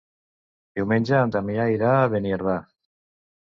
Diumenge en Damià irà a Beniardà.